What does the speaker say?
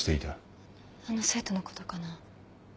あの生徒のことかな。